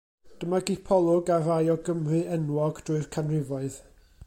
Dyma gipolwg ar rai o Gymry enwog drwy'r canrifoedd.